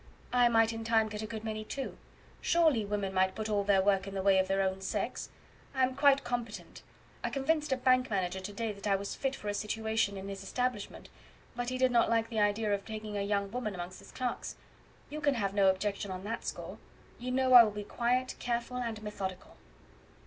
"I might in time get a good many too. Surely women might put all their work in the way of their own sex. I am quite competent; I convinced a bank manager to day that I was fit for a situation in his establishment, but he did not like the idea of taking a young woman amongst his clerks. You can have no objection on that score. You know I will be quiet, careful, and methodical."